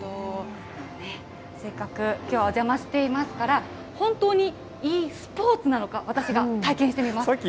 せっかくきょうはお邪魔していますから、本当にｅスポーツなのか、私が体験してみます。